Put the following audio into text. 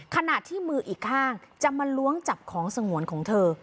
ขณะที่มืออีกข้างจะมาล้วงจับของสงวนของเธอ